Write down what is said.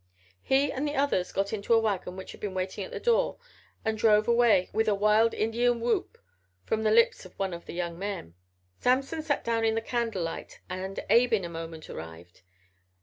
He and the others got into a wagon which had been waiting at the door and drove away with a wild Indian whoop from the lips of one of the young men. Samson sat down in the candlelight and Abe in a moment arrived.